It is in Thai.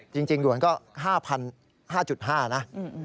จริงหยวนก็๕๐๐๐๕๕นะ